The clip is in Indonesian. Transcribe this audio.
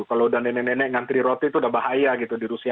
kalau udah nenek nenek ngantri roti itu udah bahaya gitu di rusia